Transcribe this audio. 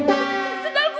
ya ya ya ya sendal gua